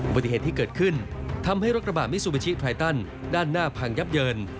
ปฏิเหตุที่เกิดขึ้นทำให้รถกระบะมิซูบิชิไทตันด้านหน้าพังยับเยิน